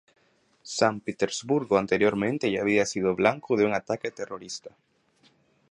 San Petersburgo anteriormente ya había sido blanco de un ataque terrorista.